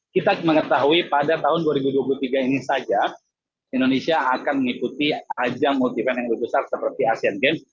kita mengetahui pada tahun dua ribu dua puluh tiga ini saja indonesia akan mengikuti ajang multi event yang lebih besar seperti asean games